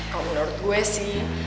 kalo menurut gue sih